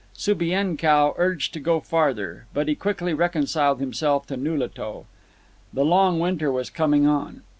Subienkow urged to go farther. But he quickly reconciled himself to Nulato. The long winter was coming on.